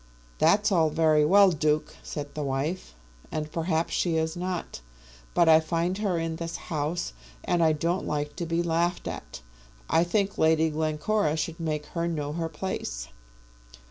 "That's all very well, Duke," said the wife, "and perhaps she is not. But I find her in this house, and I don't like to be laughed at. I think Lady Glencora should make her know her place."